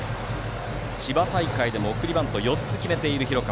千葉大会でも送りバント４つ決めている広川。